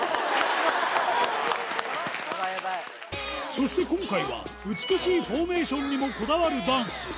そして今回は、美しいフォーメーションにもこだわるダンス。